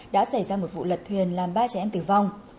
đã xảy ra một vụ lật thuyền làm ba trẻ em tử vong